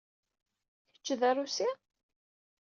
Kečč d arusi?